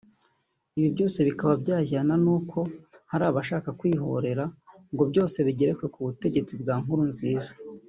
Ibi byose bikaba byajyana n’uko hari abashaka kwihorera ngo byose bigerekwe ku butegetsi bwa Nkurunziza